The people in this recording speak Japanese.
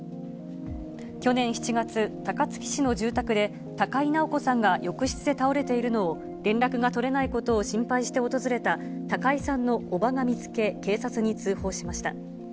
去年７月、高槻市の住宅で、高井直子さんが浴室で倒れているのを、連絡が取れないことを心配して訪れた高井さんのおばが見つけ、警察に通報しました。